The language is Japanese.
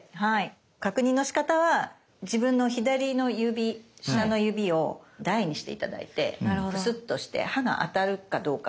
確認のしかたは自分の左の指下の指を台にして頂いてプスッとして刃が当たるかどうか。